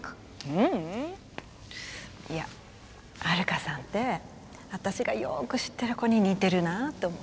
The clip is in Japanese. ううん。いやハルカさんって私がよく知ってる子に似てるなって思って。